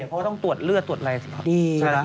เพราะว่าต้องตรวจเลือดตรวจอะไรสิครับ